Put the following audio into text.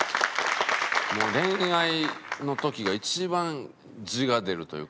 もう恋愛の時が一番地が出るというか。